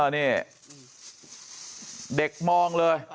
นี่เด็กมองเลย